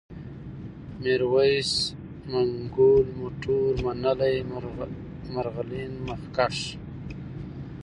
ميرويس ، منگول ، مټور ، منلی ، مرغلين ، مخکښ